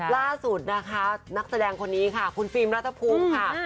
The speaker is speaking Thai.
ล่าสุดนะคะนักแสดงคนนี้ค่ะคุณฟิล์มรัฐภูมิค่ะ